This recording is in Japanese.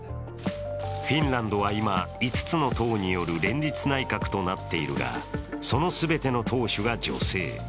フィンランドは今、５つの党による連立内閣となっているが、その全ての党首が女性。